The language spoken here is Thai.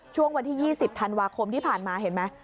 ช่วงวันที่๒๐ธันวาคมที่ผ่านมาเห็นไหม